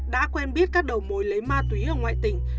đã quen biết các đầu mối lấy ma túy ở ngoại tỉnh